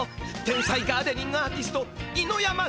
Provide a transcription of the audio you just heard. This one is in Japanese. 天才ガーデニングアーティストいのやま